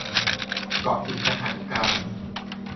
เกาะติดสถานการณ์